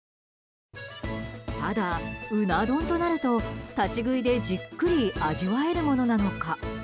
ただ、うな丼となると立ち食いでじっくり味わえるものなのか。